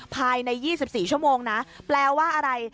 ภายใน๒๔ชั่วโมงนะแปลว่าอะไร